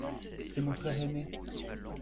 C'est mon frère ainé.